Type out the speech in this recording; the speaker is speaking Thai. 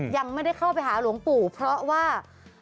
ยังไม่ได้เข้าไปหาหลวงปู่เพราะว่า